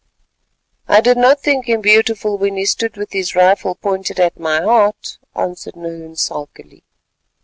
"I did not think him beautiful when he stood with his rifle pointed at my heart," answered Nahoon sulkily.